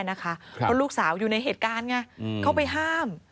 หรือว่าลูกสาวอยู่ในเหตุการณ์เขาเข้าไปห้าม